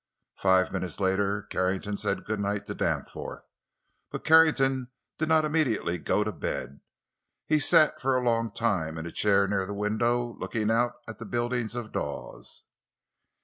Five minutes later Carrington said good night to Danforth. But Carrington did not immediately go to bed; he sat for a long time in a chair near the window looking out at the buildings of Dawes.